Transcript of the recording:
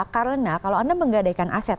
karena kalau anda menggadaikan aset